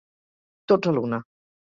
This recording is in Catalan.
Tots a l'una.